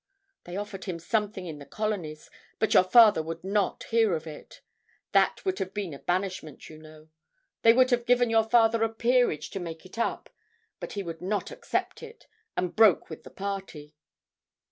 They offered him something in the Colonies, but your father would not hear of it that would have been a banishment, you know. They would have given your father a peerage to make it up, but he would not accept it, and broke with the party.